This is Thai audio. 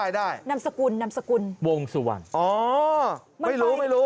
ได้นำสกุลนำสกุลอ๋อไม่รู้